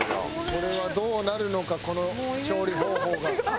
これはどうなるのかこの調理方法が。